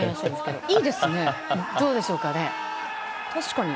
どうでしょうかね。